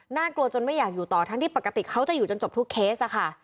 กลัวจนไม่อยากอยู่ต่อทั้งที่ปกติเขาจะอยู่จนจบทุกเคสค่ะ